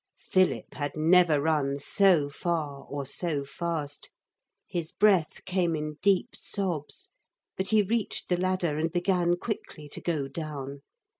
Philip had never run so far or so fast. His breath came in deep sobs; but he reached the ladder and began quickly to go down.